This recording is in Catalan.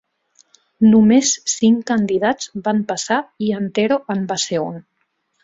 Només cinc candidats van passar i Antero en va ser un.